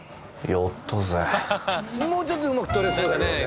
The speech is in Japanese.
やったぜもうちょっとうまく撮れそうだけどね